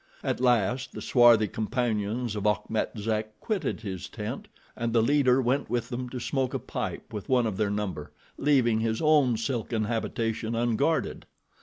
At last the swarthy companions of Achmet Zek quitted his tent, and the leader went with them to smoke a pipe with one of their number, leaving his own silken habitation unguarded.